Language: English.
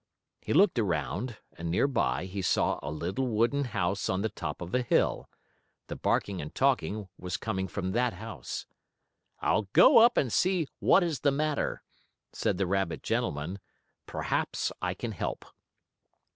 He looked around, and, nearby, he saw a little wooden house on the top of a hill. The barking and talking was coming from that house. "I'll go up and see what is the matter?" said the rabbit gentleman. "Perhaps I can help."